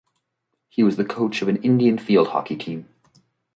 He was the coach of Indian field hockey team.